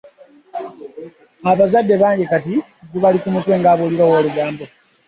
Abazadde bangi kati gubali ku mutwe ng'eyabuulira owoolugambo.